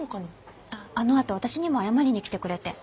あのあと私にも謝りに来てくれて。